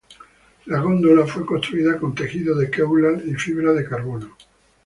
La góndola fue construida con tejido de Kevlar y fibra de carbono.